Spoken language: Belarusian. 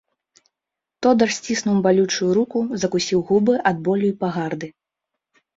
Тодар сціснуў балючую руку, закусіў губы ад болю і пагарды.